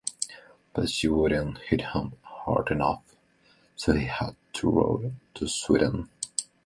But she wouldn't hit him hard enough, so he had to row to Sweden.